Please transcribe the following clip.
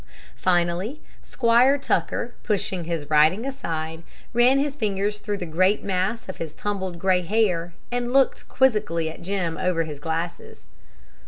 Finally, Squire Tucker, pushing his writing aside, ran his fingers through the great mass of his tumbled gray hair, and looked quizzically at Jim over his glasses.